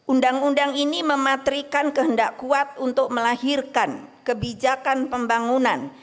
undang undang ini mematrikan kehendak kuat untuk melahirkan kebijakan pembangunan